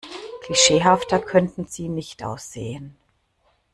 Klischeehafter könnten Sie nicht aussehen.